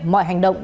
mọi hành động